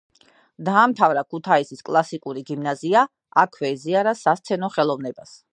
დაამთავრა ქუთაისის კლასიკური გიმნაზია, აქვე ეზიარა სასცენო ხელოვნებას.